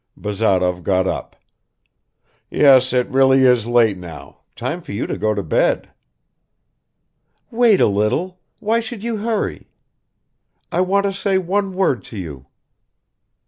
Bazarov got up. "Yes, it really is late now, time for you to go to bed." "Wait a little, why should you hurry? ... I want to say one word to you."